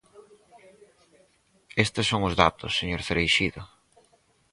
Estes son os datos, señor Cereixido.